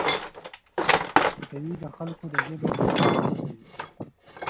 عطايي د خلکو د ژبې ارزښت بیان کړی دی.